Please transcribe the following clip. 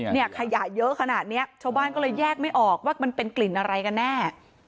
เนี่ยขยะเยอะขนาดนี้ชาวบ้านก็เลยแยกไม่ออกว่ามันเป็นกลิ่นอะไรกันแน่